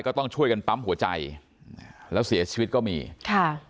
ก็ต้องช่วยกันปั๊มหัวใจแล้วเสียชีวิตก็มีค่ะ